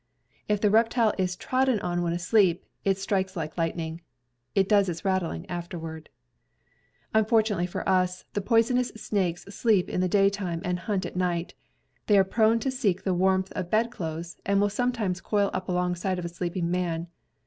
If the reptile is trodden on when asleep, it strikes like lightning, and does its rattling afterward. ACCIDENTS 315 Unfortunately for us, the poisonous snakes sleep in the day time and hunt at night. They are prone to seek the warmth of bed clothes, and will sometimes coil up alongside of a sleeping man.